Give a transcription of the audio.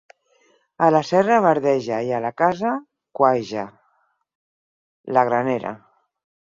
A la serra verdeja i a la casa cueja: la granera.